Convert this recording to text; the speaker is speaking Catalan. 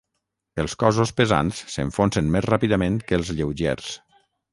Els cossos pesants s'enfonsen més ràpidament que els lleugers.